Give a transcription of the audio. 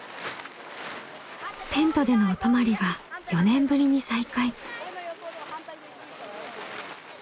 テントでのお泊まりが４年ぶりに再開。